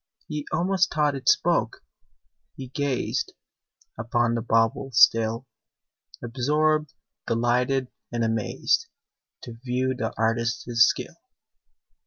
He almost thought it spoke: he gazed Upon the bauble still, Absorbed, delighted, and amazed, To view the artist's skill.